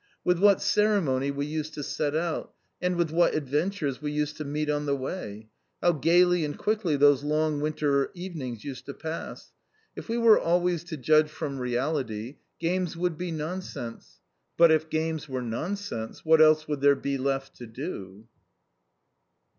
With what ceremony we used to set out, and with what adventures we used to meet on the way! How gaily and quickly those long winter evenings used to pass! If we were always to judge from reality, games would be nonsense; but if games were nonsense, what else would there be left to do?